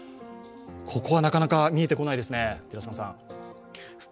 ここは、なかなか見えてこないですね。